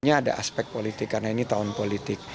ada aspek politik karena ini tahun politik